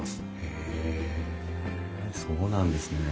へえそうなんですね。